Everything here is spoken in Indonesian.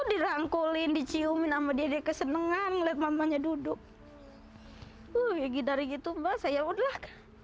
dirangkulin diciumin sama dia kesenangan ngeliat mamanya duduk uh ya dari gitu mbak sayang udah